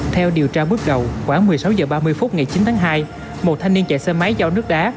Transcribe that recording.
theo điều tra bước đầu khoảng một mươi sáu h ba mươi phút ngày chín tháng hai một thanh niên chạy xe máy do nước đá